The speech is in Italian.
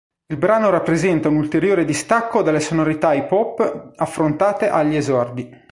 Il brano rappresenta un'ulteriore distacco dalle sonorità hip hop affrontate agli esordi.